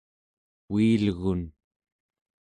uilgun